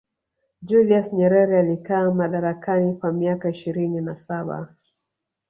julius nyerere alikaa madarakani kwa miaka ishirini na saba